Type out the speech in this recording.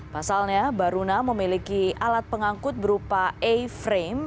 pasalnya baruna memiliki alat pengangkut berupa a frame